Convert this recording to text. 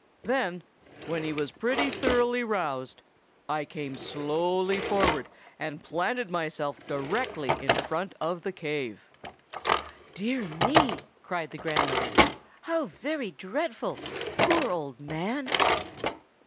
Then, when he was pretty thoroughly roused, I came slowly forward, and planted myself directly in front of the cave." "Dear me!" cried the grandmother. "How very dreadful! poor old man!"